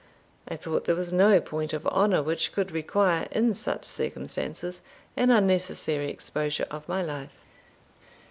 I thought there was no point of honour which could require, in such circumstances, an unnecessary exposure of my life.